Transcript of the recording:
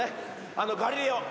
あの「ガリレオ」